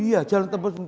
iya jalan tembus sungai